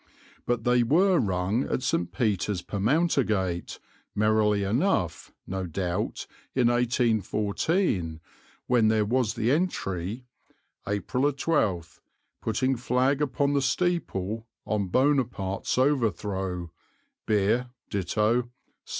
But they were rung at St. Peter's, Permountergate, merrily enough, no doubt, in 1814, when there was the entry: "April 12. Putting flag upon the steeple on Buonaparte's overthrow; beer ditto 7/6."